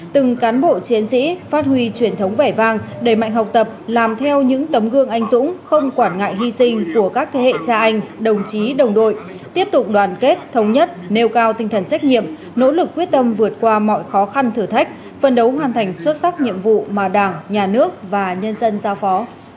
từng cán bộ chiến sĩ phát huy truyền thống vẻ vang đầy mạnh học tập làm theo những tấm gương anh dũng không quản ngại hy sinh của các thế hệ cha anh đồng chí đồng đội tiếp tục đoàn kết thống nhất nêu cao tinh thần trách nhiệm nỗ lực quyết tâm vượt qua mọi khó khăn thử thách phân đấu hoàn thành xuất sắc nhiệm vụ mà đảng nhà nước và nhân dân giao phó